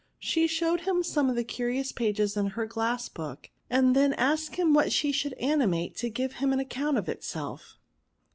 She showed him some of the curious pages of her glass book, and then asked him what she should animate to give an account of itself."